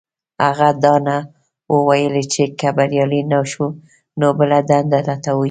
هغه دا نه وو ويلي چې که بريالی نه شو نو بله دنده لټوي.